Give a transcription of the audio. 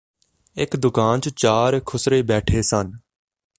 ਇਕ ਦੁਕਾਨ ਚ ਚਾਰ ਖੁਸਰੇ ਬੈਠੇ ਸਨ